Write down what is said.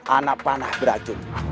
anak panah beracun